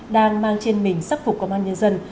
đang mang trên mình sắc phục công an nhân dân